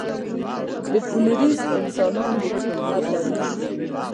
د فلورېس انسانان د ټیټ قد لرونکي وو.